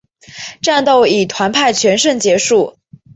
战斗以团派全胜结束。